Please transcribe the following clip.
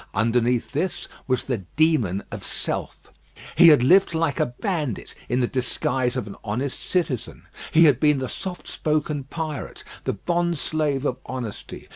Underneath this was the demon of self. He had lived like a bandit in the disguise of an honest citizen. He had been the soft spoken pirate; the bond slave of honesty.